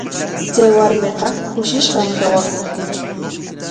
Chay warmiqa kushishqam kawakun.